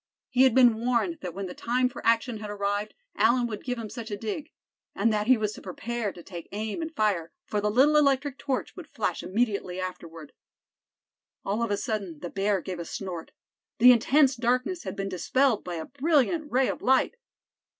He had been warned that when the time for action had arrived Allan would give him such a dig; and that he was to prepare to take aim and fire, for the little electric torch would flash immediately afterward. All of a sudden the bear gave a snort. The intense darkness had been dispelled by a brilliant ray of light.